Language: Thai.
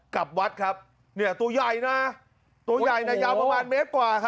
กลับวัดครับเนี่ยตัวใหญ่นะตัวใหญ่นะยาวประมาณเมตรกว่า